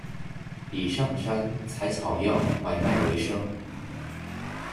以上山采草药买卖为生。